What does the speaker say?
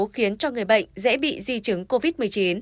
khiến cho người bệnh dễ bị di chứng covid một mươi chín